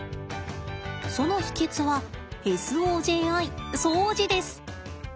その秘けつはＳＯＪＩ掃除です！